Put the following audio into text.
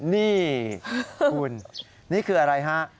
นี่คุณนี่คืออะไรฮะ